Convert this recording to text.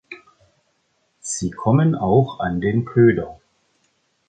Sie kommen auch an den Köder.